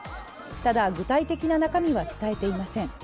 ただ、具体的な中身は伝えていません。